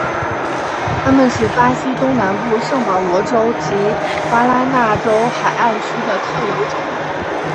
它们是巴西东南部圣保罗州及巴拉那州海岸区的特有种。